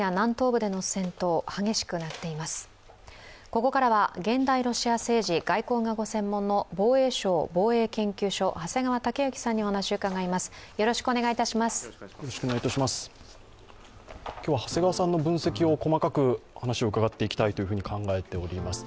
ここからは現代ロシア政治・外交がご専門の防衛省防衛研究所、長谷川雄之さんにお話を伺います。